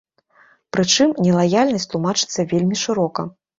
Прычым, нелаяльнасць тлумачыцца вельмі шырока.